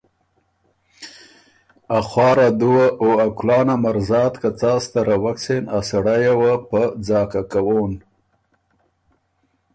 ا خوار ا دُوه او ا کُلان ا مرزات که څا ستروک سېن ا سړئ یه وه په ځاکه کَوون۔